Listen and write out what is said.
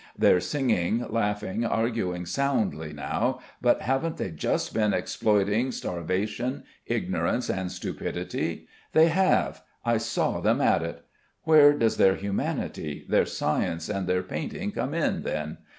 They're singing, laughing, arguing soundly now, but haven't they just been exploiting starvation, ignorance, and stupidity? They have, I saw them at it. Where does their humanity, their science, and their painting come in, then?